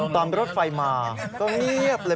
รถไฟมาก็เงียบเลย